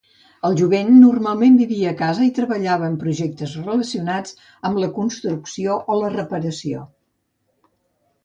El jovent normalment vivia a casa i treballava en projectes relacionats amb la construcció o la reparació.